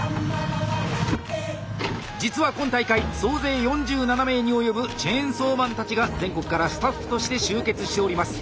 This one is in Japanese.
実は今大会総勢４７名に及ぶチェーンソーマンたちが全国からスタッフとして集結しております。